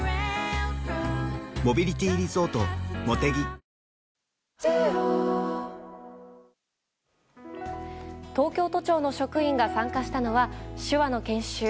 「ビオレ」東京都庁の職員が参加したのは手話の研修。